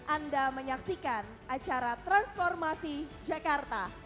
anda menyaksikan acara transformasi jakarta